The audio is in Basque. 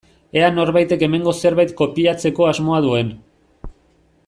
Ea norbaitek hemengo zerbait kopiatzeko asmoa duen.